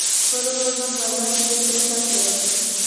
پرون ورځ ما په بازار کې ډېر ښه احساس لارۀ.